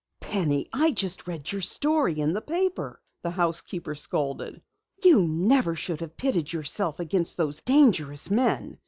"Penny, I just read your story in the paper," the housekeeper scolded. "You never should have pitted yourself against those dangerous men!